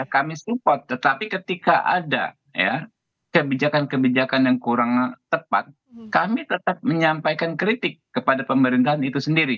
kami support tetapi ketika ada kebijakan kebijakan yang kurang tepat kami tetap menyampaikan kritik kepada pemerintahan itu sendiri